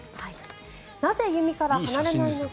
なぜ弓から離れないのか。